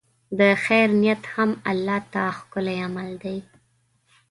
د خیر نیت هم الله ته ښکلی عمل دی.